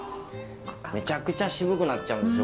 めちゃくちゃ渋くなっちゃうんですよ